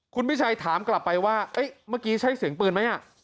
คุณพี่ชัยถามกลับไปว่าเฮ้ยเมื่อกี้ใช้เสียงปืนมั้ยอ่ะ